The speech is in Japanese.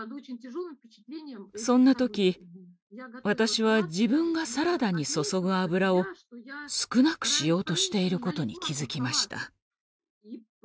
そんな時私は自分がサラダに注ぐ油を少なくしようとしていることに気付きました。